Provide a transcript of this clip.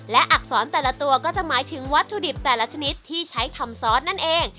และอักษรแต่ละตัวก็จะหมายถึงวัตถุดิบแต่ละชนิดที่ใช้ทำซอสนั่นเอง